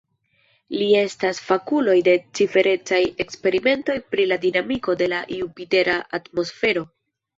Li estas fakulo en ciferecaj eksperimentoj pri la dinamiko de la jupitera atmosfero.